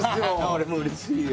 俺もうれしいよ。